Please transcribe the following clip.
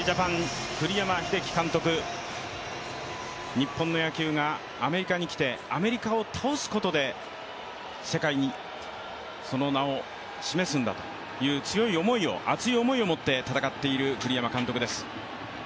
日本の野球がアメリカに来てアメリカを倒すことで世界にその名を示すんだという強い思いを熱い思いを持って戦っている栗山監督です。